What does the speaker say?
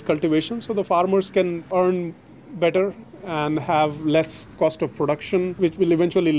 jadi para peneliti bisa menjaga lebih baik dan memiliki harga produksi yang lebih murah